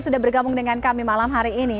sudah bergabung dengan kami malam hari ini